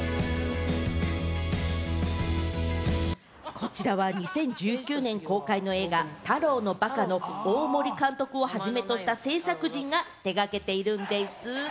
こちらは２０１９年公開の映画『タロウのバカ』の大森監督をはじめとした制作陣が手がけているんでぃす。